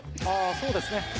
あそうですね。